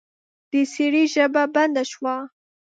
د سړي ژبه بنده شوه.